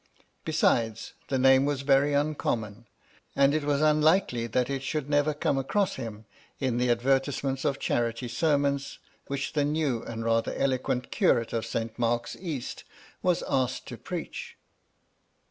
Besides, the name was very imcommon ; and it was unlikely that it should never come across him, in the advertisements of charity sermons which the new and rather eloquent curate of Saint Mark's East was asked to preach.